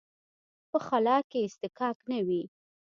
په خلا کې اصطکاک نه وي.